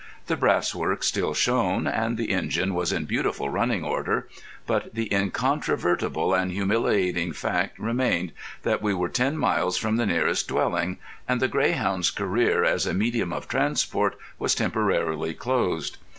The brass work still shone, and the engine was in beautiful running order; but the incontrovertible and humiliating fact remained that we were ten miles from the nearest dwelling and The Greyhound's career as a medium of transport was temporarily closed.